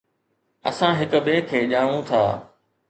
اسان هڪ ٻئي کي ڄاڻون ٿا